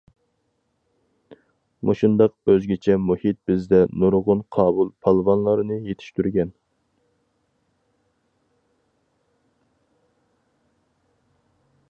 مۇشۇنداق ئۆزگىچە مۇھىت بىزدە نۇرغۇن قاۋۇل پالۋانلارنى يېتىشتۈرگەن.